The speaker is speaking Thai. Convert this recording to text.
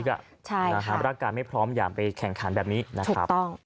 คือมันพีคอ่ะราการไม่พร้อมอย่าไปแข่งขันแบบนี้นะครับ